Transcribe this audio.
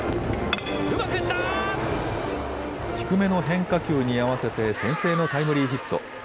低めの変化球に合わせて先制のタイムリーヒット。